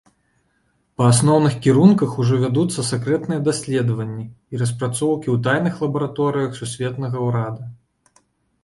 Па асноўных кірунках ужо вядуцца сакрэтныя даследаванні і распрацоўкі ў тайных лабараторыях сусветнага ўрада.